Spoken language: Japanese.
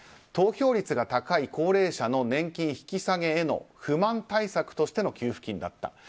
投票率が高い高齢者の年金引き下げの不満対策としての給付金だった。